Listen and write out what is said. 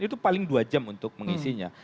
itu paling dua jam untuk mengisinya